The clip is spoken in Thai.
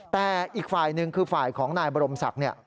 แต่อีกฝ่ายหนึ่งคือฝ่ายของนายบรมศักดิ์